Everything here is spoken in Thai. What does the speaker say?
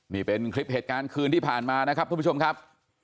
นี่เป็นคลิปเหตุการณ์คืนที่ผ่านมานะครับทุกผู้ชมครับ